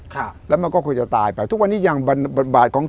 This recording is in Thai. ค่ะแล้วมันก็ควรจะตายไปทุกวันนี้อย่างบทบาทของ